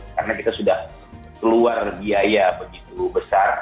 karena kita sudah keluar biaya begitu besar